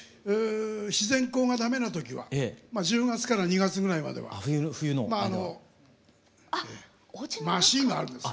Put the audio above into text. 自然光がだめなときは１０月から２月ぐらいまではまああのマシーンがあるんですよ。